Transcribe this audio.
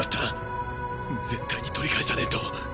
絶対に取り返さねぇと！